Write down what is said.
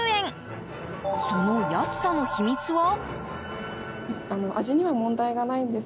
その安さの秘密は？